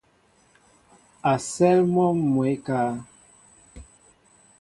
A sέέl mɔ mwɛɛ ékáá.